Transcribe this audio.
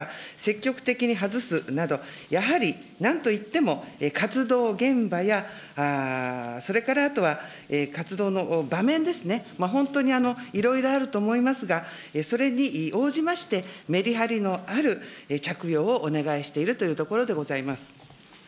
マスクの着用が不要な場面ということでございますが、積極的に外すなど、やはりなんといっても活動現場や、それからあとは、活動の場面ですね、本当にいろいろあると思いますが、それに応じまして、メリハリのある着用をお願いしているというところでございます。